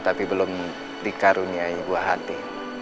tapi belum dikaruniai buah hati